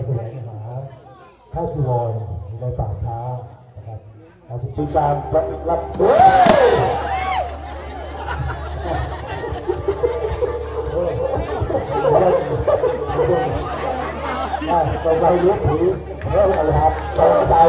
สำมัครสวัสดิษฐาสวัสดิษฐาให้สวัสดิษฐาท่าสวิทธิ์หลอดในต่างท้า